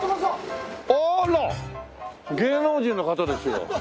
芸能人の方ですよ。